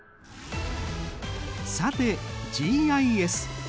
さてＧＩＳ。